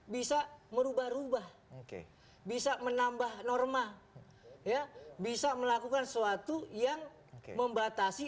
bisa berubah ubah bisa menambah norma bisa melakukan sesuatu yang membatasi